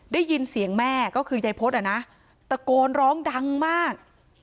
ได้ยินเสียงแม่ก็คือยายพฤษอ่ะนะตะโกนร้องดังมาก